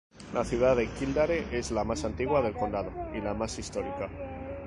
La ciudad de Kildare es la más antigua del condado y la más histórica.